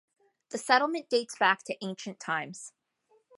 The settlement dates back to ancient times.